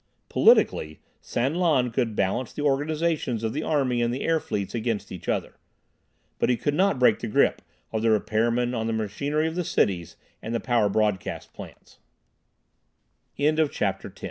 Politically, San Lan could balance the organizations of the army and the air fleets against each other, but he could not break the grip of the repairmen on the machinery of the cities and the power broadcast pla